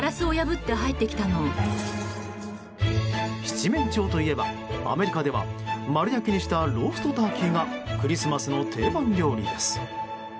七面鳥といえば、アメリカでは丸焼きにしたローストターキーがクリスマスの定番料理です。